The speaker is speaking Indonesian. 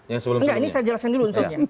enggak ini saya jelaskan dulu unsurnya